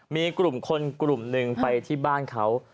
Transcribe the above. มีกลุ่มคนกลุ่มหนึ่งไปที่บ้านเขา